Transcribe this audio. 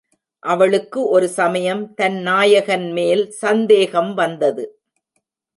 அவளுக்கு ஒரு சமயம் தன் நாயகன் மேல் சந்தேகம் வந்தது.